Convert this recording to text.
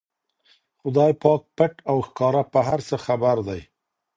خدای پاک پټ او ښکاره په هر څه خبر دی.